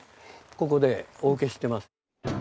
ここでお受けしてます。